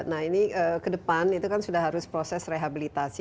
nah ini ke depan itu kan sudah harus proses rehabilitasi